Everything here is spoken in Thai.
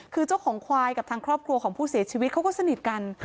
คือเจ้าของควายกับทางครอบครัวของผู้เสียชีวิตเขาก็สนิทกัน